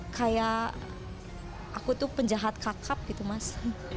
kayak aku tuh penjahat kakap gitu mas